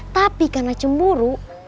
tapi karena cemburu